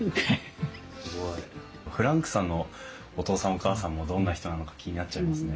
すごいフランクさんのお父さんお母さんもどんな人なのか気になっちゃいますね。